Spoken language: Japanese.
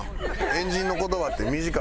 円陣の言葉って短い。